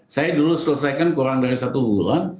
saya dulu selesaikan kurang dari satu bulan